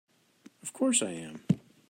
Of course I am!